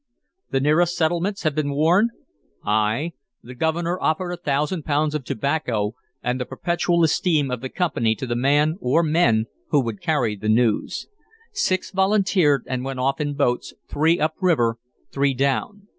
"The nearest settlements have been warned?" "Ay. The Governor offered a thousand pounds of tobacco and the perpetual esteem of the Company to the man or men who would carry the news. Six volunteered, and went off in boats, three up river, three down.